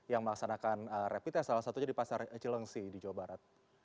yang melaksanakan rapid test salah satunya di pasar cilengsi di jawa barat